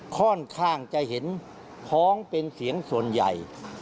ค่อนข้างจะเห็นพ้องเป็นเสียงส่วนใหญ่